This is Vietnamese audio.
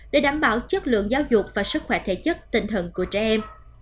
để đảm bảo chất lượng giáo dục và sức khỏe thể chất tinh thần của trẻ em